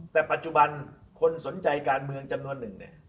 แต่ปัจจุบันคนสนใจการเมืองจำนวนหนึ่งเนี่ย